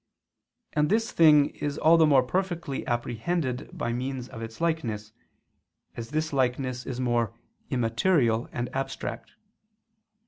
And this thing is all the more perfectly apprehended by means of its likeness, as this likeness is more immaterial and abstract.